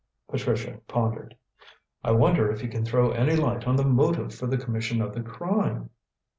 Patricia pondered. "I wonder if he can throw any light on the motive for the commission of the crime?"